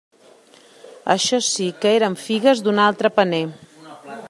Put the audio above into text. Això sí que eren figues d'un altre paner!